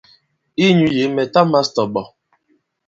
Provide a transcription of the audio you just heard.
Inyū yě mɛ̀ ta mās tɔ̀ ìɓɔ̀.